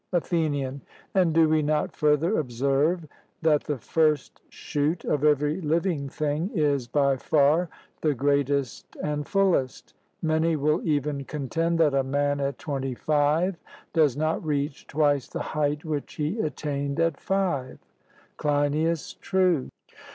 ATHENIAN: And do we not further observe that the first shoot of every living thing is by far the greatest and fullest? Many will even contend that a man at twenty five does not reach twice the height which he attained at five. CLEINIAS: True.